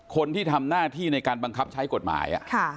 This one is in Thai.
คนที่ทำหน้าที่ในการบังคับใช้กฎหมาย